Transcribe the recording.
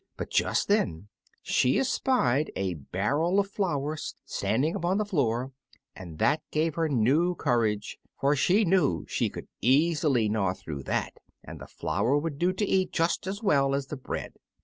But just then she espied a barrel of flour standing upon the floor; and that gave her new courage, for she knew she could easily gnaw through that, and the flour would do to eat just as well as the bread.